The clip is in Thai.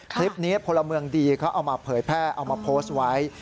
พลเมืองดีเขาเอามาเผยแพร่เอามาโพสต์ไว้